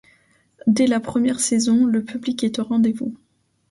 Dès la première saison, le public est au rendez-vous.